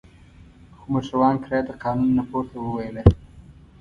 خو موټروان کرایه د قانون نه پورته وویله.